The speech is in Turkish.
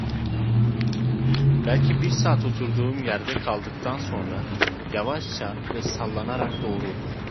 Belki bir saat oturduğum yerde kaldıktan sonra yavaşça ve sallanarak doğruldum.